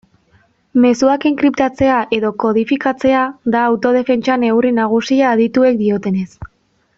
Mezuak enkriptatzea edo kodifikatzea da autodefentsa neurri nagusia adituek diotenez.